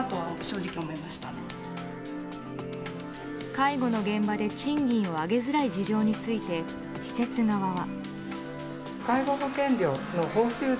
介護の現場で賃金を上げづらい事情について施設側は。